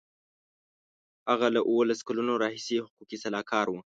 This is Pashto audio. هغه له اوولس کلونو راهیسې حقوقي سلاکار و.